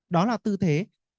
đó là tư thế